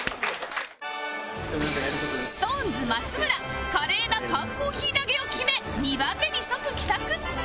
ＳｉｘＴＯＮＥＳ 松村華麗な缶コーヒー投げを決め２番目に即帰宅